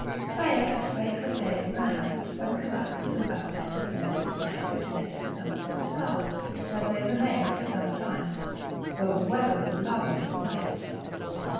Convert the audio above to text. Prayer at break of day was announced, when Carathis and Vathek ascended the steps which led to the summit of the tower, where they remained for some time, though the weather was lowering and wet.